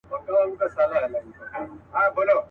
چي ما دي په تیاره کي تصویرونه وي پېیلي.